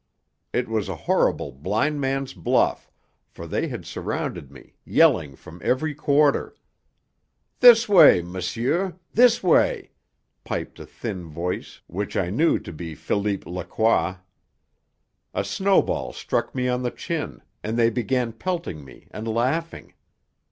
It was a horrible blindman's bluff, for they had surrounded me, yelling from every quarter. "This way, monsieur! This way!" piped a thin, voice which I knew to be Philippe Lacroix. A snowball struck me on the chin, and they began pelting me and laughing.